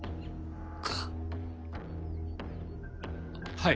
はい。